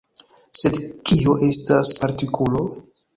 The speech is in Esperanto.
Sed kio estas partikulo?